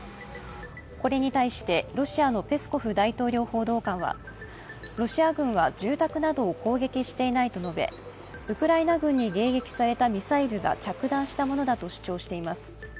これに対してロシアのペスコフ大統領報道官はロシア軍は住宅などを攻撃していないと述べウクライナ軍に迎撃されたミサイルが着弾したものだと主張しています。